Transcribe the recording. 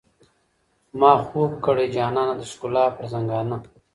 ما خوب كړئ جانانه د ښكلا پر ځـنـګانــه